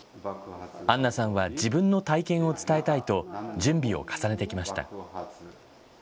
アンナさんは自分の体験を伝えたいと、準備を重ねてきました。